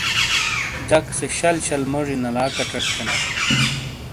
جَک سے شَل شَل موجی نَلا کچٹ تھینا۔